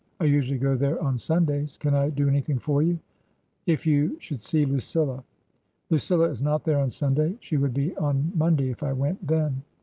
I usually go there on Sun days. Can I do anything for you ?"" If you should see Lucilla "" Lucilla is not there on Sunday. She would be on Monday if I went then."